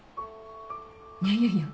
いやいやいや。